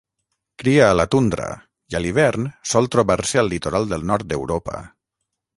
Cria a la tundra i a l'hivern sol trobar-se al litoral del nord d'Europa.